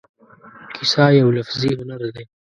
کیسه یو لفظي هنر دی.